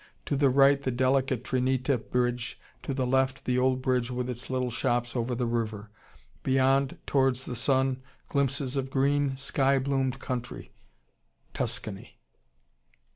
To the right the delicate Trinita bridge, to the left, the old bridge with its little shops over the river. Beyond, towards the sun, glimpses of green, sky bloomed country: Tuscany.